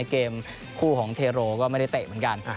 เกมคู่ของเทโรก็ไม่ได้เตะเหมือนกัน